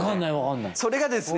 それがですね